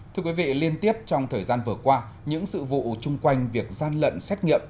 thưa quý vị liên tiếp trong thời gian vừa qua những sự vụ chung quanh việc gian lận xét nghiệm